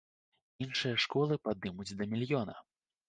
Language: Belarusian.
Іншыя школы падымуць да мільёна.